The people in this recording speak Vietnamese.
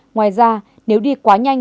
ngoài ra nếu đi quá nhanh